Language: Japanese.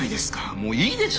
もういいでしょ！